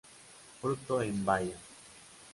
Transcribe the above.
Fruto en baya.